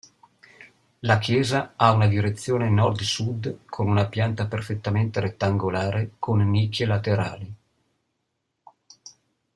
La chiesa ha una direzione nord-sud con una pianta perfettamente rettangolare con nicchie laterali.